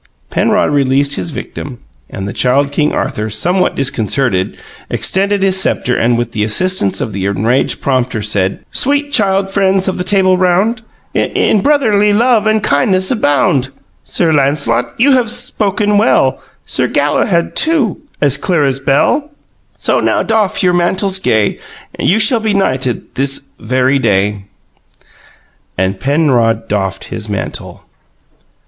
Penrod released his victim; and the Child King Arthur, somewhat disconcerted, extended his sceptre and, with the assistance of the enraged prompter, said: "Sweet child friends of the Tabul Round, In brotherly love and kindness abound, Sir Lancelot, you have spoken well, Sir Galahad, too, as clear as bell. So now pray doff your mantles gay. You shall be knighted this very day." And Penrod doffed his mantle.